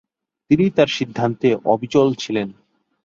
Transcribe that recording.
তিনি তার সিদ্ধান্তে অবিচল ছিলেন।